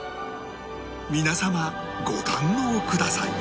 皆様ご堪能ください